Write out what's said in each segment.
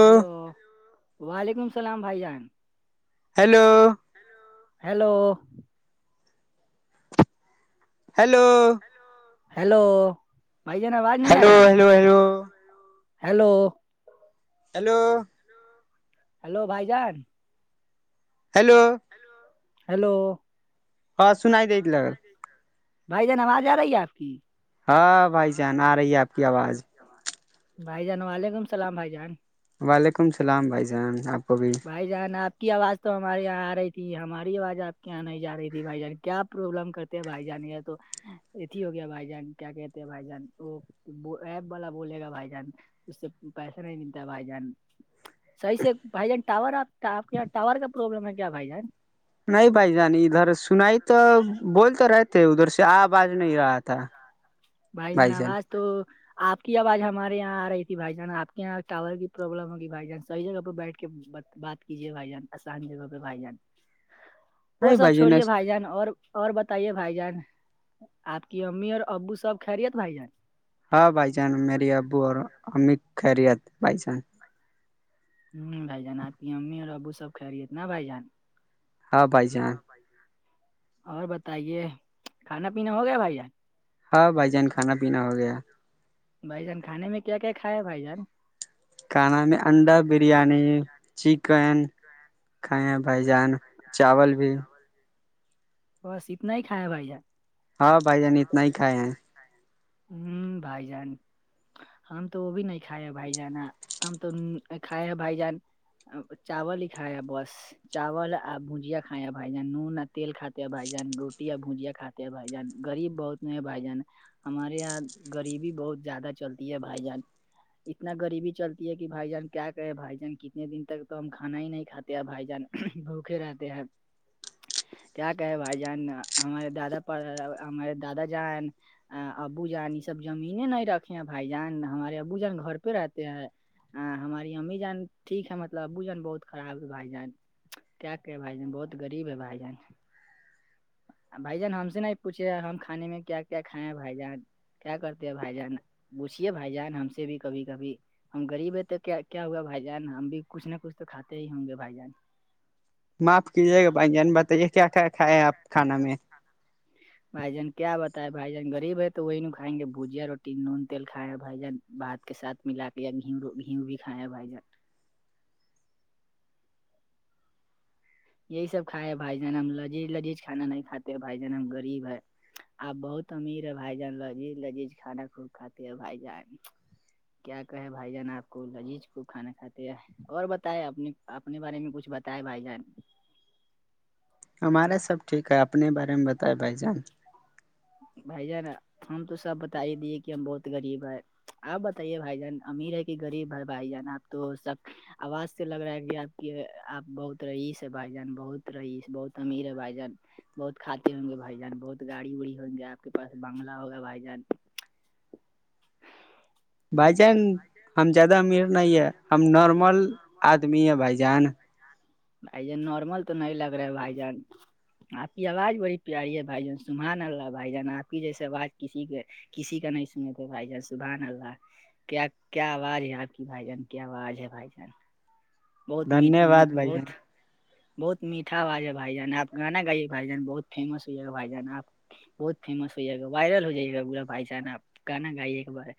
hello وعلیکم السلام بھائی جان ہیلو ہیلو ہیلو ہیلو بھائی ج ن آواز نہیں آ ہیلو رہی ہے hello hello hello hello hello بھائی جان ہیلو ہیلو ہاں سنائی دے لگل بھائی جان آواز آ رہی ہے آپ کی ہاں بھائی جان آ رہی ہے آپ کی آواز بھائی جان وعلیکم السلام بھائی جان وعلیکم السلام بھائی جان آپ کوبھی بھائی جان آپ کی آواز تو ہمارے یہاں آ رہی تھی ہماری آواز آپ کے یہاں نہیں جا رہی تھی بھائی جان کیا پرابلم کرتے بھائی جان تو اتھی ہو گیا بھائی جان کیا کہتے ہیں بھائی جان وہ ایپ والا بولے گا بھائی جان اس سے پیسہ نہیں ملتا بھائی جان صحیح سے بھائی جان ٹاور آپ آپ کے یہاں ٹاور کا پرابلم ہے کیا بھائی جان نہیں نہیں بھائی جان بائی ادھر ج سنائی تارا تو سنائی تو بول بول رہتے کر ادھر رہے سے تھ آواز کرر نہیں آ رہا باز میں تھا جیا تھا بھائی جان آواز تو آپ کی آواز ہمارے یہاں آ رہی تھی بھائی جان آپ کے یہاں ٹور کی پروابلم ہوگی بھائی جان سحی جگہ پہ بیٹھ کے ب بات کیجے بھائی جان آسان جگہ پہ بھائی جان وہ سب چھوڑیے بھائی جان اور اور بتائیے بھائی جان آپ کی امی اور ابو سب کہرییت بھائی جان ہاں بھائی جان میری ابو اور امق خیریت بھائی جان ہوں بھائی جان آپ کی امی اور ابو سب خھ رہیے نا بائی جان ہاں بھائی جان ہاں بھ اور بتائیے کھانا پینا ہو گیا بھائی ہاں بھائی جان کھانا پینا ہو گیا بھائی جان کھے میں کیا کھیا ہے بھائی جان کھانا میں انڈا بریانی چکن کھائے ہیں بھائی جان چاول بھی بس اتنا ہی کا بھائی جا ہاں بھائی جان ہاں اتنا ہی کھائے ہیں ہوں بھائی جان ہم تو وہ بھی نہیں کھائے ہیں بھائی جان ہم تو کھائے ہیں بھائی جان چاول ہی کایا بس چاول اور بجیا کھیا بھائی جان نون تیل کاتے ہے بھائی جان روٹی یا بھجیا کات ہیں بھائی جان گریب بہت ن ہے بھائی جان ہمارے یہاں غریبی بہت زیادہ چلتی ہے بھائی جان اتنا غریبی چلتی ہے کہ بھائی جان کیا کہے بھائی جان کتنے دن تک تو ہم کھانا ہی نہیں کاتے بھائی جان بھوکے رہتے ہیں کیا کہے بھائی جان ہمارے دادا ہمارے دادا جان ابو جان یہ سب زمین نہیں رکھے ہیں بھائی جان ہمارے ابو جان گھر پہ رہتے ہیں ہاں ہماری امی جان ٹھیک ہے مطلب ابو جان بہت خراب بھائی جان کیا کیا بھائی جن بہت غریب ہے بھائی جان بھائی جان ہم سے نہیں پوچھے ہم کھان میں کیا کیا کھائے ہیں بھائی جان کیا کرتے ہیں بھائی جان پوچھیے بھائی جان ہم سے بھی کبھی کبھی ہم غریب ہے تو کیا کیا ہوا بھائی جان ہم بھی کچھ نہ کچھ تو کھاتے ہی ہوں گے بھائی جان معاف کیجیے گا بھ جان بتائیے کیا کیا کھائے ہے آپ کھانا میں [inaudible] بھائی جان کیا بتا ہے بھائی جان گغب ہے تو وہی ن کائیں گے بھجیا روٹی نون تیل کھائے بھائی جان بات کے ساتھ ملا کے یا گھی گھی بھی کھائےیں بھائی جان یہی سب کھائے ہے بھائی جان ہم لذیذ لذیذھانا نہیں کاتے بھائی جان ہم غریب ہے آپ بہت امیر ہے بھائی جان لجیذ لجیج کھانا خوب کات ہے بھائی جان کیا کہے بھائی جان آپ کو لذیذ کو کھانا کھاتے اور بتائے اپنے اپنے بارے میں کچھ بتاائے بھائی جان ہمارا سب ٹھیک ہے اپنے بارے میں بتائے بھائی جان بھائی جانا ہم تو سب بتا ہی دیے کہ ہم بہت غریب ہے آپ بتائیے بھائی جان امیر ہے کہ غریب ہے بھائی جان آپ تو سب آواز سے لگ رہا ہے کہ آپ کی آپ بہت رہئیس ہے بھائی جان بہت رہیس بہت امیر ہے بھائی جان بہت کاتے ہوں گے بھائی جان بہت گاڑی وڑی ہوں گے آپ کے پاس بنگلہ ہوگا بھائی جان بھائی جان ہم زیادہ امیر ن ہے ہم نارمل آدمی ہیں بھائی جان بھائی جان نارمل تو نہیں لگ رہے بھائی جان آپ کی آواز بڑی پیاری ہے بھائی جان سمھا نہ رہا بھائی جان آپ کی جیسے آواز کسی کے کسی کا نہیں سنے تھے بھائی جان سبحان اللہا کیا کیا آواز ہے آپ کی بھائی جان کیا آواز ہے بھائی جان بہت م دھنیہ واد بھائی بہت جان بہت میھا جا ہے بھائی جان آپ گانا گائیے بائی جان بہت فیمس ہو ہے بھائی جان آپ بہت فیمس ہو جائے گا وائرل ہو جائے گا با بھائی جانا گانا گائیے ایک بار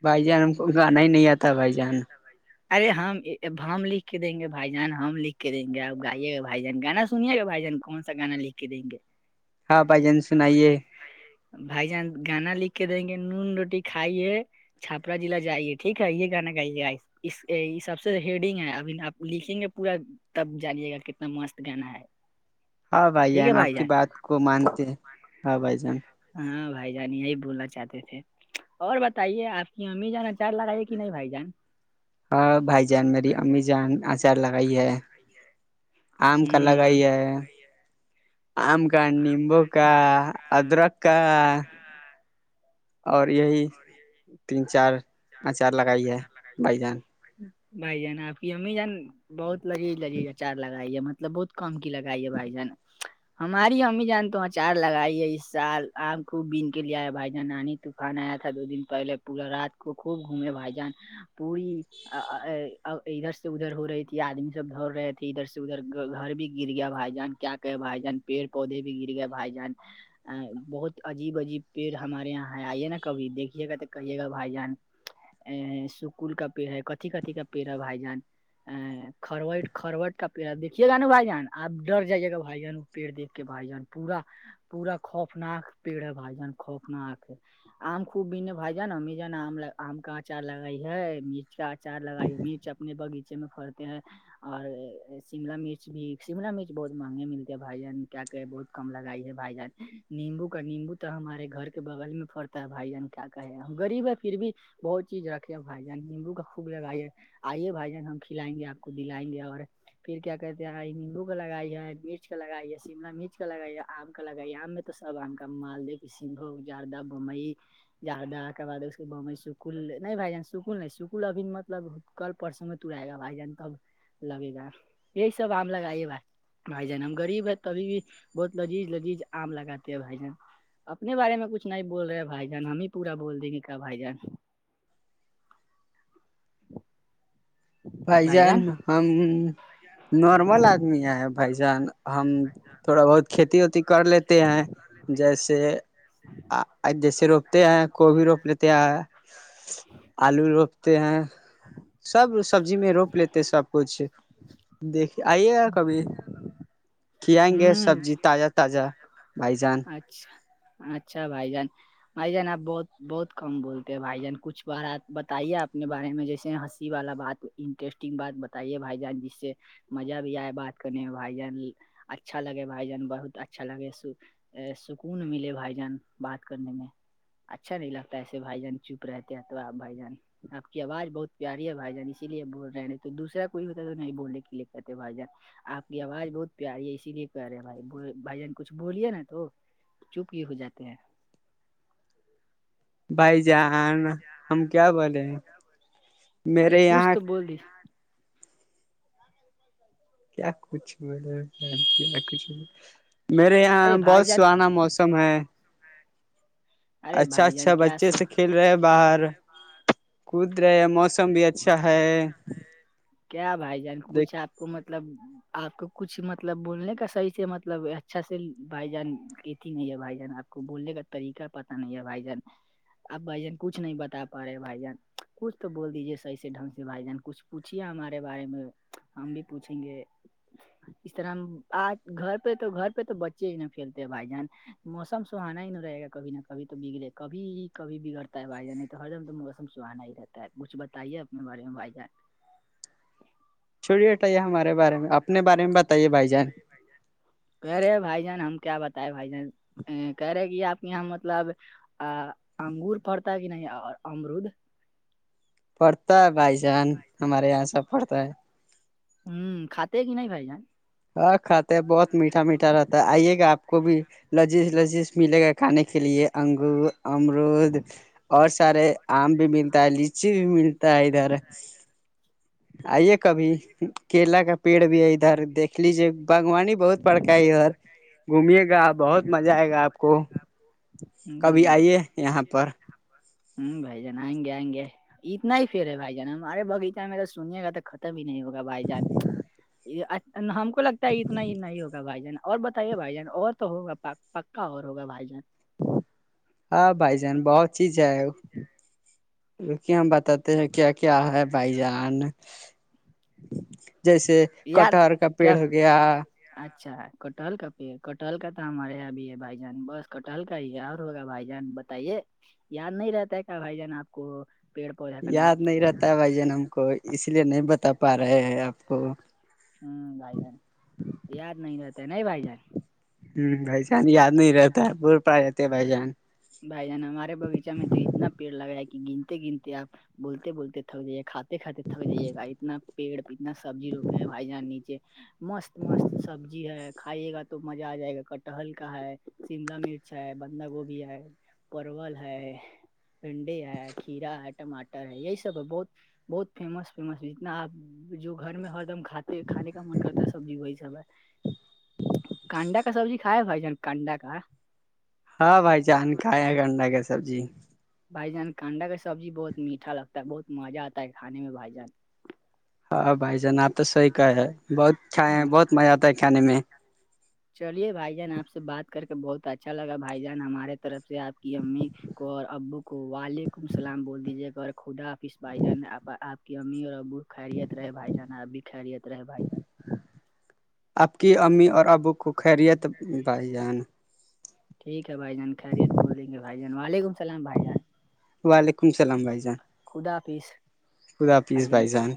بائی جیان بھ جان ہم کو کو گانا ہی نہیں آ تھا بھ جان ارے ہم اب ہم لکھ کے دیں گے بھائی جان ہم لکھ کے دیں گے اب گائیے گا بھائی جان گانا سنیے گا بھائی جان کون ستگان لکے ہے ہاں بائی جن سے آئی ہے بھائی جان گانا لکھ کے دیں گے نون روٹی کھائیے کاضل جائیے ٹھیک ہے یہانایے آ اس سب سے ہیڈنگ ہے ابپ لکھیں گے پورا تب جانیے گا کتنا مست گانا ہے ہاں بھائی جان آپ کی بات کو مانتے ہیں ہاں بھائی جان ہاں بھائی جان یہی بولنا چاہتے تھے اور بتائیے آپ کی امی جانا چار لگائیے کہ نہیں بھائی جان ہاں بھائی جان میری امی جان اچار لگائی ہے آم کا لگا ہوں ہییا ہے آم کا ک نبوک ادرک اور یہی تین چار آچار لگائی ہے بائی جان بھائی جان آپ کی امی جان بہت لگی ہی لگی گا چار لگائی ہے مطلب بہت کم کی لگائیے بھائی جان ہماری امی جان تو اچار لگائی ہے اس سال آم خوب بین کے لے آئے بھائی جانانی تو کان آیا تھا دو دن پہلے پورا رات کو خوب گھومے بھائی جان پوری ادھر سے ادھر ہو رہی تھی آدمی سب د رہے تھے ادھر سے ادھر گھر بھی گر گیا بھائی جان کیا کہ بھائی جان پیڑ پودے بھی گر گئے بھائی جان ا بہت عجیب عجیب پیڑ ہمارے یہاں ہے آئیے نا کبھی دیکھیے گا تو کہیے گا بھائی جان ا سکول کا پیڑ ہے کتھی کتھی کا پیڑ ہے بھائی جان ا کروٹ کروٹ کا پیڑا دیکھیے گا نا بھائی جان آپ ڈر جائیے گا بھائی جانوں پیڑ دیکھ کے بھائی جان پورا پورا خوفناک پیڑ ہے بھائی جان خوفناک ہے ہم خوب بنے بائی جانا میںی جا کاٹ اچار لگائی ہے مرچ کا اچار لگائی ہے مرچ اپنے بغیچے میں پڑتے ہیں اور شملا مرچ بھی شملا مرچ بہت مہنگے ملتے ہیں بھائی جان کیا بہت کم لگائی ہے بھائی جان نیمبو کا نمبو تو ہمارے گھرر کے بغل میں فر بھائی جان کیا کہے ریب ہے پھر بھی بہت چیز رکھے بھائی جان نیمبو کا خوب لگائیے آئیے بھائی جان ہم کھلائیں گے آپ کو دلائیں گے اور پھر کیا کہتے ہیں نمبو کا لگائی ہے مرچ کا لگائی ہے شیملا مرچ کا لگائی ہے آم کا لگائی آم میں تو سب آم کا مال دے پ ہو جاردہ بمبئی جاردہ کے بعد اس کے ببئی سکھ سکل نہیں بھائی جان سکل نہیں سکل ابھی مطلب کل پرسوں میں تر آئے گا بھائی جان تب لبےید یہی سب آم لگائیے بائی بھائی جان ہم غب ہے تو ابھی بھی بہت لذیذ لذیذ آم لگاتے ہیں بھائی جان اپنے بارے میں کچھ نہیں بول رہے بھائی جان ہمیں پورا بول دیں گے کیا بھائی جان بھائی جان ہم نارمل آدمی ہیں بھائی جان ہم تھوڑا بہت کھیتی وتی کر لیتے ہیں جیسے جیسے روپتے ہیں گوبھی روپ لیتے ہیں آلو روپ ہیں سب سبزی میں روپ لیتے سب کچھ دیک آئیے ا کبھی کھیں گے ہوں سبزی تازہ تازہ بھائی جان اچھا اچھا بھائی جان بھائی جان آپ بہت بہت کم بولتے ہیں بھائی جان کچھ بار آپ بتائیے اپنے بارے میں جیسے ہنسی والا بات انٹرسٹنگ بات بتائیے بھائی جان جس سے مزہ بھی آئے بات کرنے میں بھائی جان اچھا لگے بھائی جان بہت اچھا لگے س سکون ملے بھائی جان بات کرنے میں اچھا نہیں لگتا ایسے بھائی جان چپ رہتے ہیں تو آپ بھائی جان آپ کی آواز بہت پیاری ہے بھائی جان اسی لیے بول رہے ہیں تو دوسرا کوئی ہوتا تو نہیں بولنے کے لیے کہتے بھائی جان آپ کی آواز بہت پیاری ہے اسی لیے کہہ رہے ہیں بھائی بھائی جان کچھ بولیے نا تو چپ ہی ہو جاتے ہیں بھائی جان ہم کیا بولے ہیں میرے یہاں بولی کیا کچھ مط میرے یہاں ارے بھائی بہت جان سہانا موسم ہے ارے اچھا بھائی اچھا جان کیا بچے سو سے کھیل رہے باہر کد رہے موسم بھی اچھا ہے کیا بھائی جان دیک کچھ آپ کو مطلب آپ کو کچھ مطلب بولنے کا صحیح سے مطلب اچھا سے بھائی جان کہتی نہیں ہے بھائی جان آپ کو بولنے کا طریقہ پتا نہیں ہے بھائی جان اب بھائی جان کچھ نہیں بتا پا رہے بھائی جان کچھ تو بول دیجے سحیس سے ڈھنگ سے بھائی جان کچھ پوچھییا ہمارے بارے میں ہم بھی پوچھیں گے اس طرح آج گھر پہ تو گھر پہ تو بچے ہی نہ پھیلتے ہیں بھائی جان موسم سہانا ہی نہیں رہے گا کبھی نہ کب تو بگڑے کبھی کبھی بگڑتا ہے بائی ج نہیں تو ہر جم موسم سہانا ہی رہتا ہے کچھ بتائیے اپنے بارے میں بھائی جان چڑی بٹھائی یہ ہمارے بارے میں اپنے بارے میں بتائیے بھائی جان کہہ رہے بھائی جان ہم کیا بتائے بھائی جان کہہ رہے کہ آپ کے یہاں مطلب آ انگور پڑتا کہ نہیں اور امرود پڑتا ہے بائی چان ہمارے یہاں سب پڑتا ہے ہوں کاتے کہ نہیں بائی جان ہاں کھاتے ہیں بہت میٹھا میٹھ رہتا ہے آئیے گا آپ کو بھی لذیذ لذیذ ملے گا کھانے کے لیے انگور امرود اور سارے آم بھی ملتا ہے لچی بھی ملتا ہے ادھر آئیے کبھی کیلا کا پیڑ بھی ہے ادھر دیکھ لیجیے باغوانی بہت بڑکا ہے ادھر گھمیے گا بہت مزہ آئے گا آپ کو کبھی ہ آئیے یہاں پر ہوں بھائی جان آئیں گے آئیں گے اتنا ہیر ہے بھائی جان ہم ارے بغیچہ میںیرا سنیے گا تو ا بھی نہیں ہوگا بھائی جان ہم کو لگتا ہے اتنا ہی نہیں ہوگا بھائی جان اور بتائیے بھائی جان اور تو ہوگا پکا اور ہوگا بھائی جان ہاں بھائی جان بہت چیز ہے لک ہم بتاتے ہیں کیا کیا ہے بائی جان جیسے یاد کٹہر کا کیا پیڑ ہو گیا اچھا کوٹل کا پے کوٹل کا تو ہمارے یہابی ہے بھائی جان بس کوٹہل کا ہی ہے اور ہوگا بھائی جان بتائیے یاد نہیں رہتا ہے کیا بھائی جان آپ کو پیڑ پودا کا نام یاد نہیں رہتا ہے بھائی جان ہم کو اس لیے نہیں بتا پا رہے ہیں آپ کو ہمم بھائی جان یاد نہیں رہتے نہیں بھائی جان ہمم بھائی جان یاد نہیں رہتا ہے بول پا رہتے بھائی جان بھائی جان ہمارے بغیچہ میں تو اتنا پیڑ لگایا کہ گنتے گنتے آپ بولتے بولتے تھک جائے کھات کھاتے کھاتے تھک جائے جائیے گا اتنا پیڑ اتنا سبزی روپے ہیں بھائی جان نیچے مست مست سبزی ہے کھائیے گا تو مزہ آ جائے گا کٹہل کا ہے شملہ مرچ ہے بندھا گوبھی ہے پرول ہے بھنڈے ہے کھیرا ہے ٹماٹر ہے یہی سب ہے بہت بہت فیمس فیمس جتنا آپ جو گھر میں ہر دم کھاتے کھے کا من کرتا ہے سبزی وہی سب ہے کانڈا کا سبزی کائے بھائی جان کانڈا کا ہاں بھائی چان کھایا ہے گنڈا کا سبزی بھائی جان کانڈا کا سبزی بہت میٹھا لگتا ہے بہت مزہ آتا ہے کھے میں بھائی جان ہاں بھائی جان آپ تو صحیح کہے ہیں بہت کھائے ہیں ہاں، بہت مزہ آتا ہے کھانے میں چلیے بھائی جان آپ سے بات کر کے بہت اچھا لگا بھائی جان ہمارے طرف سے آپ کی امی کو اور ابو کو وعلیکم اللام بول دیجیے گا اور خدا فس بھائی جان آپ آپ کی امی اور ابو خیریت رہے بھائی جان آپ بی خیریت رہے بھائی جان آپ کی امی اور ابو کو خیریت بھائی جان ٹھیک ہے بھائی جان خیریت بول دیں گے بھائی جان ولیکم السلام بھائی جان وعلیکم السلام بھائی جان خدا حافظ خدا حافظ بھائی جان